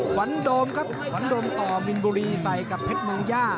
ขวัญโดมครับขวัญโดมต่อมินบุรีใส่กับเพชรเมืองย่า